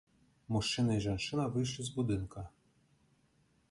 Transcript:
Мужчына і жанчына выйшлі з будынка.